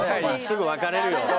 すぐ別れるよ